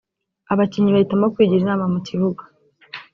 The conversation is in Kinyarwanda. Abakinnyi bahitamo kwigira inama mu kibuga